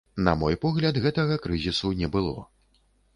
На мой погляд, гэтага крызісу не было.